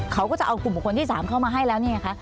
เขาก็จะเอากลุ่มบุคคลที่๓เข้ามาให้แล้วนี่ไงคะ